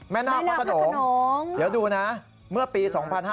นาคพระขนงเดี๋ยวดูนะเมื่อปี๒๕๕๙